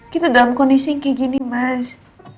kita dalam kondisi yang kayak gini mas